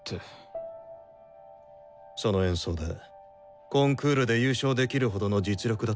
その演奏でコンクールで優勝できるほどの実力だったか？